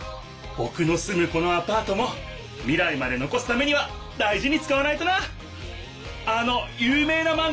ぼくのすむこのアパートも未来まで残すためには大事に使わないとな！